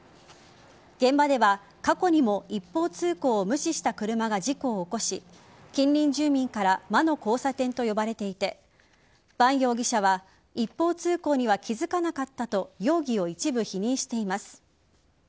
現場では過去にも一方通行を無視した車が事故を起こし近隣住民から魔の交差点と呼ばれていて伴容疑者は一方通行には気付かなかったと容疑を一部否認しています。